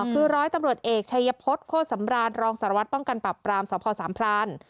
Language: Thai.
คือ๑๐๐ตำรวจเอกชายพศโฆษภรรณรองศรวรรษป้องกันปรับปรามสศสามพราน